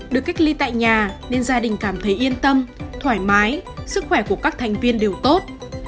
được cách ly tại nhà nên gia đình cảm thấy yên tâm thoải mái sức khỏe của các thành viên đều tốt